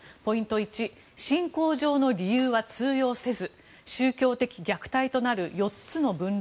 １信仰上の理由は通用せず宗教的虐待となる４つの分類。